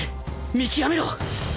見極めろ！